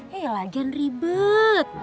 ya lagian ribet